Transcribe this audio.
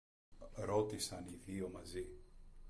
ρώτησαν οι δυο μαζί.